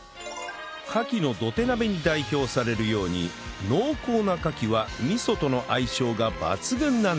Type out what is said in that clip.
カキの土手鍋に代表されるように濃厚なカキは味噌との相性が抜群なんです